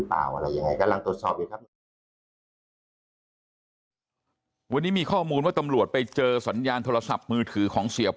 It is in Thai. เพราะฉะนั้นในช่องทางที่กำหนดเป็นช่องทางของด่านท่วมแดนเนี่ย